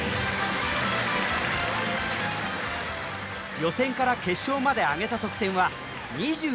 予選から決勝まで挙げた得点は２６得点。